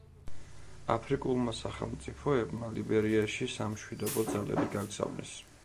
აფრიკულმა სახელმწიფოებმა ლიბერიაში სამშვიდობო ძალები გაგზავნეს.